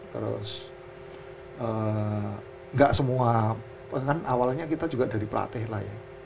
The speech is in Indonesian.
terus gak semua kan awalnya kita juga dari pelatih lah ya